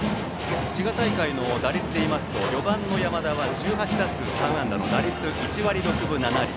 滋賀大会の打率ですと４番の山田は１８打数３安打の打率１割６分７厘。